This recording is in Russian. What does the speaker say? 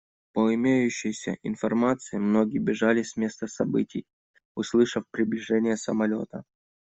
По имеющейся информации, многие бежали с места событий, услышав приближение самолета.